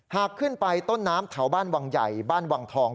หากขึ้นไปต้นน้ำแถวบ้านวังใหญ่บ้านวังทอง